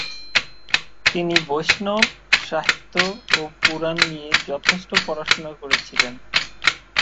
তিনি বৈষ্ণব সাহিত্য ও পুরাণ নিয়ে যথেষ্ট পড়াশোনা করেছিলেন।